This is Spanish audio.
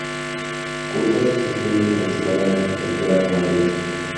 Cursó sus estudios en la Escuela de Arquitectura de Madrid.